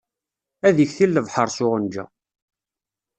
Ad iktil lebḥeṛ s uɣenja.